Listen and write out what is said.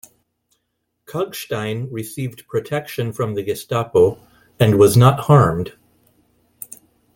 Kalkstein received protection from the Gestapo and was not harmed.